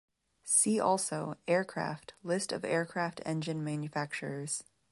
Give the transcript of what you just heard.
"See also: aircraft, list of aircraft engine manufacturers"